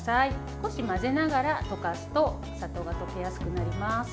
少し混ぜながら溶かすとお砂糖が溶けやすくなります。